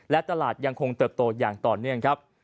และตลาดยังคงเติบโตอย่างต่อเนื่องครับ